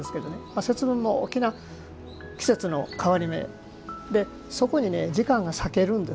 節分も大きな季節の変り目でそこに時間が裂けるんです。